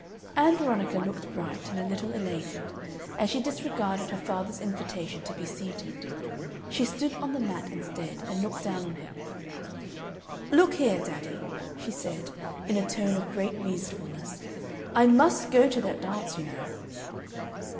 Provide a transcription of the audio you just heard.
Ann Veronica looked bright and a little elated, and she disregarded her father's invitation to be seated. She stood on the mat instead, and looked down on him. "Look here, daddy," she said, in a tone of great reasonableness, "I MUST go to that dance, you know."